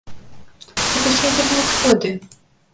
Гэта ж ядзерныя адходы!